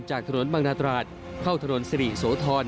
จากถนนบางนาตราดเข้าถนนสิริโสธร